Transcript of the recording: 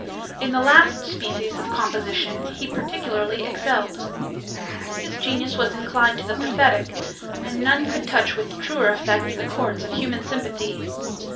In the last species of composition he particularly excelled. His genius was inclined to the pathetic, and none could touch with truer effect the chords of human sympathy.